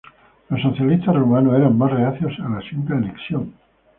Los socialistas rumanos eran más reacios a la simple anexión.